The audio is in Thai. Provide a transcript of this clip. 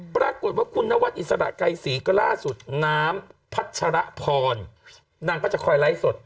ปรากฏว่าคุณนวัดอิสระไกรศรีก็ล่าสุดน้ำพัชรพรนางก็จะคอยไลฟ์สด